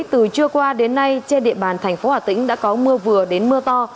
từ trưa qua đến nay trên địa bàn thành phố hà tĩnh đã có mưa vừa đến mưa to